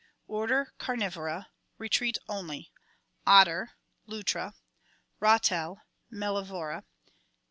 Order Camivora (retreat only). Otter (Infra). Ratel (Mdliwra).